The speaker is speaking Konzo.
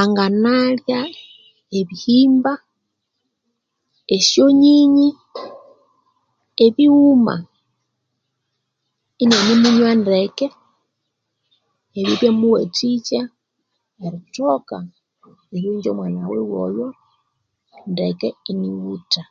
Anganalya ebihimba esyonyinyi ebighuma inianemunywa ndeke ebyo ibyamuwathikya erithoka eryonjja omwana wiwe oyo ndeke inyughutha